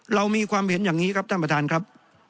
เรามีความเห็นอย่างนี้ครับท่านประธานครับ